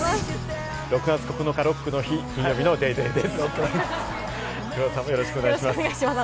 ６月９日ロックの日、金曜日の『ＤａｙＤａｙ．』です。